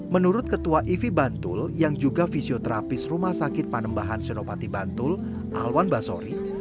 menurut ketua ivi bantul yang juga fisioterapis rumah sakit panembahan senopati bantul alwan basori